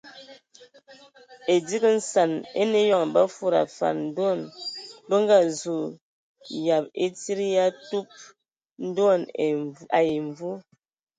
Edigi nsan enə eyɔŋ ba fudi afan ndoan bə nga zu yab e tsid ya tub ndoan ai mvu.